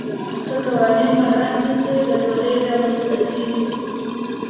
که قوانین مراعات نسي ګډوډي رامنځته کیږي.